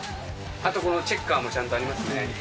あとこのチェッカーもちゃんとありますね。